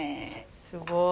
すごい。